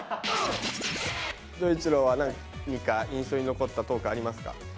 丈一郎は何か印象に残ったトークありますか？